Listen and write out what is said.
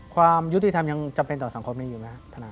ความยุติธรรมยังจำเป็นต่อสังคมมีอยู่ไหมครับทนาย